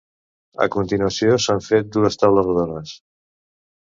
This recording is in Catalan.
A continuació s’han fet dues taules rodones.